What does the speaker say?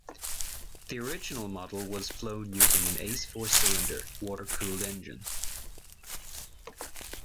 The original model was flown using an Ace four cylinder water-cooled engine.